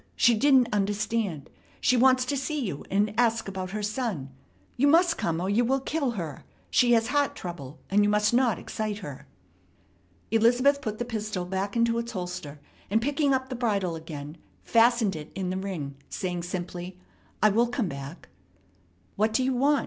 She didn't understand. She wants to see you and ask about her son. You must come, or you will kill her. She has heart trouble, and you must not excite her." Elizabeth put the pistol back into its holster and, picking up the bridle again, fastened it in the ring, saying simply, "I will come back." "What do you want?"